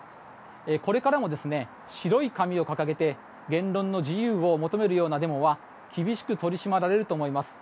これからも、白い紙を掲げて言論の自由を求めるようなデモは厳しく取り締まられると思います。